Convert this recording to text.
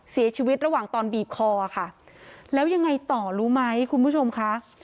เสียชีวิตระหว่างตอนบีบคอค่ะแล้วยังไงต่อรู้ไหมคุณผู้ชมค่ะ